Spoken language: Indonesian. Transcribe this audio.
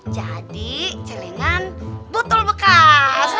jadi celengan botol bekas